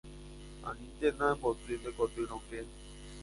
Aníntena emboty nde koty rokẽ.